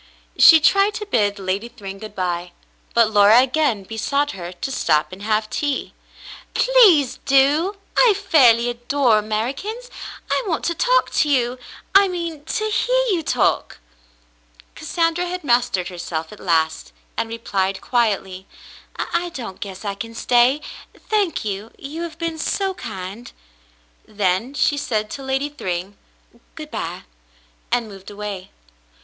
She tried to bid Lady Thryng good by, but Laura again besought her to stop and have tea. "Please do. I fairly adore Americans. I want to talk to you ; I mean, to hear you talk." Cassandra had mastered herself at last, and replied quietly : "I don't guess I can stay, thank you. You have been so kind." Then she said to Lady Thryng, "Good by," and moved away.